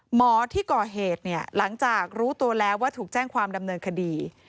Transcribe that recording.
หมอที่ก่อเหตุเนี่ยหลังจากรู้ตัวแล้วว่าถูกแจ้งความดำเนินคดี